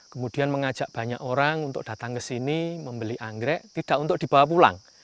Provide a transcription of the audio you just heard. kemudian mengajak banyak orang untuk datang ke sini membeli anggrek tidak untuk dibawa pulang